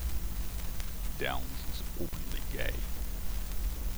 Downs is openly gay.